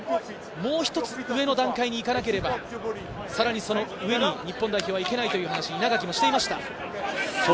もう一つ上の段階に行かなければ、さらにその上に日本代表はいけないという話を稲垣もしていました。